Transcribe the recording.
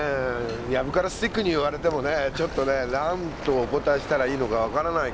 藪からスティックに言われてもねちょっとね何とお答えしたらいいのか分からないけども。